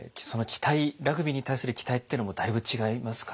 ラグビーに対する期待っていうのもだいぶ違いますか？